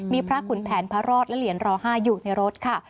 มีพระขุนแผนพระรอดและเหรียญร๕อยู่ในรถค่ะ